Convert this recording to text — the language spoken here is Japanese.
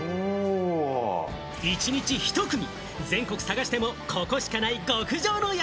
一日１組、全国探してもここしかない極上の宿。